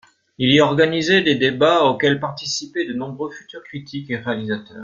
Il y organisait des débats auxquels participaient de nombreux futurs critiques et réalisateurs.